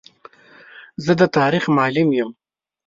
زه د تاریخ معلم یم.